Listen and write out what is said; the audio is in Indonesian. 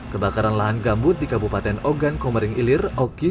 kebakaran lahan gambut di kabupaten ogan komering ilir oki